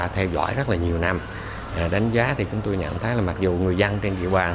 theo dõi rất là nhiều năm đánh giá thì chúng tôi nhận thấy là mặc dù người dân trên địa bàn